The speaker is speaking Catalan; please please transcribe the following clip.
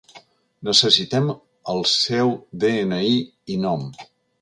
Necessitem el seu de-ena-i i nom.